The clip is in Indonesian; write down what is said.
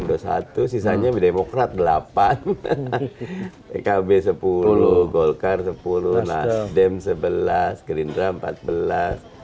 tapi karena di bawah lima